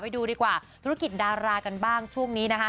ดูดีกว่าธุรกิจดารากันบ้างช่วงนี้นะคะ